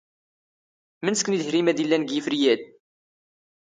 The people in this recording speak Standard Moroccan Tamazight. ⵎⵏⵙⴽ ⵏ ⵉⴷ ⵀⵔⵉⵎⴰ ⴰⴷ ⵉⵍⵍⴰⵏ ⴳ ⵢⵉⴼⵔⵉ ⴰⴷ?